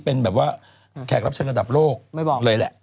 เป็นแบบว่าแขกรับเชิญระดับโลกไม่บอกเลยแหละ